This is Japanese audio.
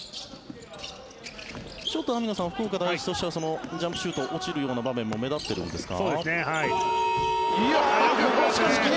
ちょっと網野さん福岡第一としてはジャンプシュートが落ちるような場面も目立ってるんですか。